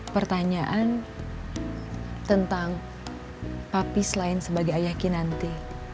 pertanyaan tentang api selain sebagai ayah kinanti